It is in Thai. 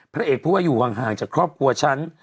พระเอกเพราะว่าอยู่ห่างจากครอบครัวฉัน